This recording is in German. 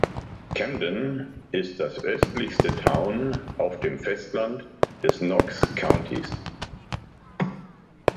Camden ist die östlichste Town auf dem Festland des Knox Countys.